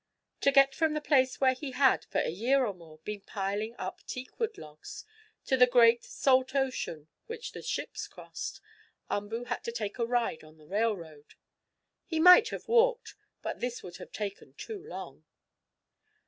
To get from the place where he had, for a year or more, been piling up teakwood logs, to the great, salt ocean which the ships crossed, Umboo had to take a ride on the railroad. He might have walked, but this would have taken too long.